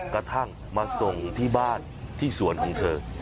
กระทั่งมาส่งที่บ้านที่สวนของเธอ